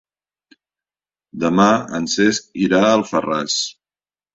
Demà en Cesc irà a Alfarràs.